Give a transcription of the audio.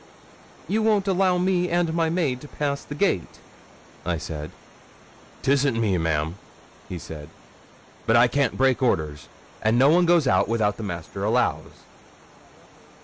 'You won't allow me and my maid to pass the gate?' I said. ''Tisn't me, ma'am,' said he; 'but I can't break orders, and no one goes out without the master allows.'